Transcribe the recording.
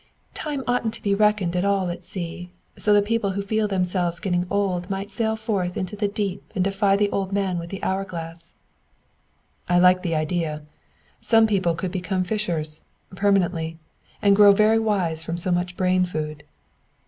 "Time oughtn't to be reckoned at all at sea, so that people who feel themselves getting old might sail forth into the deep and defy the old man with the hour glass." "I like the idea. Such people could become fishers permanently, and grow very wise from so much brain food."